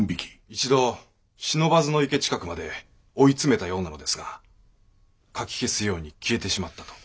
一度不忍池近くまで追い詰めたようなのですがかき消すように消えてしまったと。